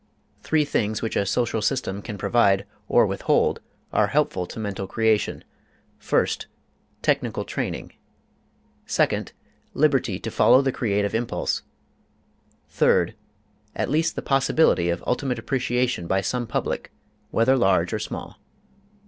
Three things which a social system can provide or withhold are helpful to mental creation: first, technical training; second, liberty to follow the creative impulse; third, at least the possibility of ultimate appreciation by some public, whether large or small.